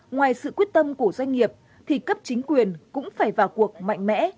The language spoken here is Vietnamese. ngoài sự quyết tâm của doanh nghiệp thì cấp chính quyền cũng phải vào cuộc mạnh mẽ